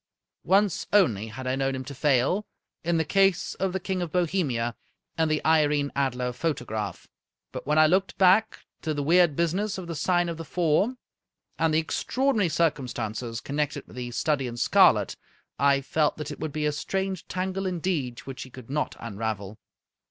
Once only had I known him to fail, in the case of the King of Bohemia and the Irene Adler photo graph, but when I looked back to the weird business of the " Sign of the Four," and the extraordinary circum stances connected with the " Study in Scarlet," I felt that it would be a strange tangle indeed which he could not unravel.